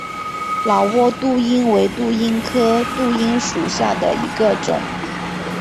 老挝杜英为杜英科杜英属下的一个种。